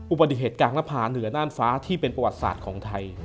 อุบัติเหตุกลางหน้าผาเหนือน่านฟ้าที่เป็นประวัติศาสตร์ของไทย